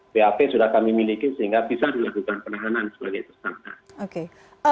bap sudah kami miliki sehingga bisa dilakukan penahanan sebagai tersangka